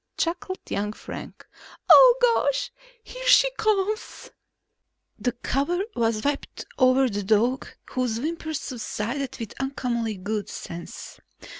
chuckled young Frank. "Oh, gosh, here she comes!" The cover was whipped over the dog, whose whimpers subsided with uncommonly good sense.